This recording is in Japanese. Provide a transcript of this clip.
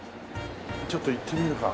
ちょっと行ってみるか。